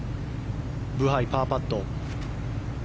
ブハイ、パーパット。